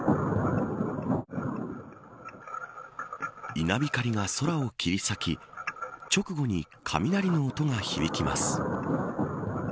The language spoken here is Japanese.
稲光が空を切り裂き直後に雷の音が響きます。